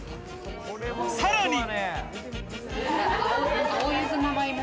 さらに。